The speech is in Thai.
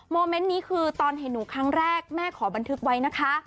เมนต์นี้คือตอนเห็นหนูครั้งแรกแม่ขอบันทึกไว้นะคะ